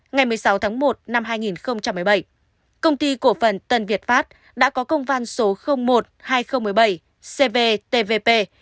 ngày một mươi sáu tháng một năm hai nghìn một mươi bảy công ty cổ phần tân việt pháp đã có công văn số một hai nghìn một mươi bảy cptvp